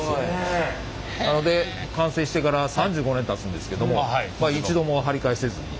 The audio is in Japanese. なので完成してから３５年たつんですけども一度も張り替えせずに。